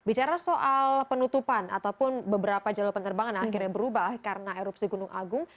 bicara soal penutupan ataupun beberapa jalur penerbangan akhirnya berubah karena erupsi gunung agung